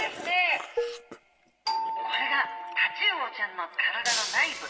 これがタチウオちゃんの体の内部。